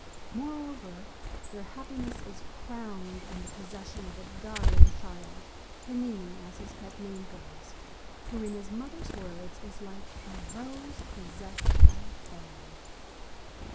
Moreover, their happiness is crowned in the possession of a darling child, Pennini, as his pet name goes, who, in his mother's words, is like a rose possessed by a fairy."